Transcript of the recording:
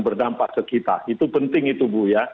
berdampak ke kita itu penting itu bu ya